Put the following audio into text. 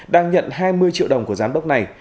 đang nhận hai mươi triệu đồng của giám đốc này